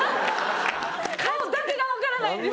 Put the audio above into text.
顔だけがわからないんです。